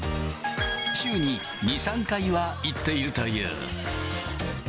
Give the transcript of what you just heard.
週に２、３回は行っているという。